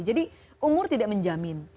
jadi umur tidak menjamin